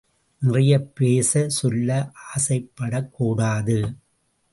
நிறைய பேச சொல்ல ஆசைப்படக்கூடாது.